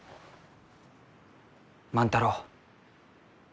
万太郎。